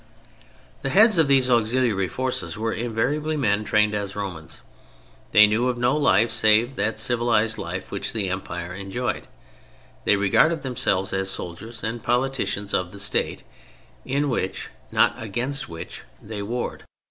The heads of these auxiliary forces were invariably men trained as Romans. They knew of no life save that civilized life which the Empire enjoyed. They regarded themselves as soldiers and politicians of the State in which—not against which—they warred.